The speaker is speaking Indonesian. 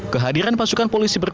kehadiran pasukan polisi berkuda